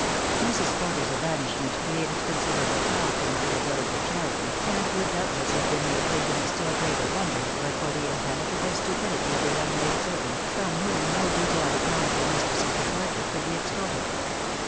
Mrs. Porter's evanishment created considerable talk in the little village of Cheriton, and would doubtless have been the occasion of still greater wonder but for the impenetrable stupidity of the young maidservant, from whom no detailed account of her mistress's departure could be extorted.